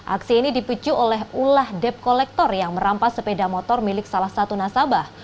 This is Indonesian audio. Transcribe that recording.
aksi ini dipicu oleh ulah dep kolektor yang merampas sepeda motor milik salah satu nasabah